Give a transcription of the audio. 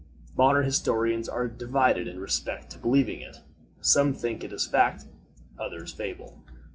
Modern historians are divided in respect to believing it. Some think it is fact, others fable.